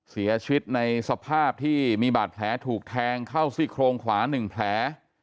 เสียชีวิตในสภาพที่มีบาดแผลถูกแทงเข้าซี่โครงขวา๑แผล